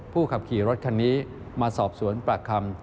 ขับขี่รถคันนี้มาสอบสวนปากคำ